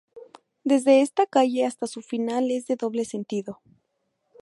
Desde esta calle hasta su final es de doble sentido.